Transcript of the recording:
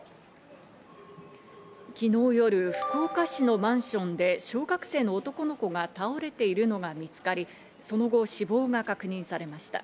昨日夜、福岡市のマンションで小学生の男の子が倒れているのが見つかり、その後、死亡が確認されました。